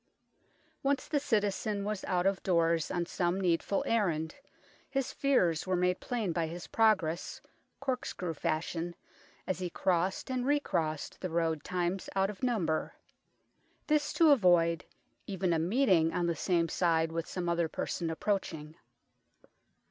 Once the citizen was out of doors on some needful errand, his fears were made plain by his progress, corkscrew fashion, as he crossed and recrossed the road times out of number. This to avoid even a meeting on the same side with some other person approaching.